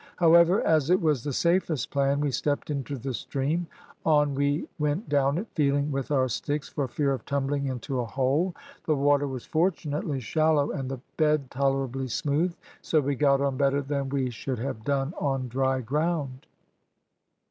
However, as it was the safest plan, we stepped into the stream; on we went down it, feeling with our sticks, for fear of tumbling into a hole. The water was fortunately shallow, and the bed tolerably smooth, so we got on better than we should have done on dry ground.